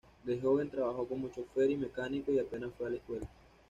De joven trabajó como chófer y mecánico y apenas fue a la escuela.